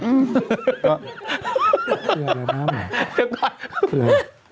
เกลียดอะไรนะหมาเกลียดอะไรเกลียด